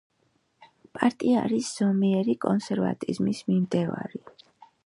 პარტია არის ზომიერი კონსერვატიზმის მიმდევარი.